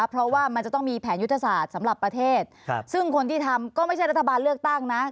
เพราะว่ามันจะต้องมีแผนยุทธศาสตร์สำหรับประเทศซึ่งคนที่ทำก็ไม่ใช่รัฐบาลเลือกตั้งนะ